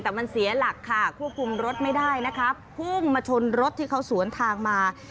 แต่มันเสียหลักค่ะควบคุมรถไม่ได้นะคะพุ่งมาชนรถที่เขาสวนทางมา